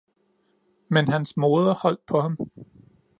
Men hans moder holdt på ham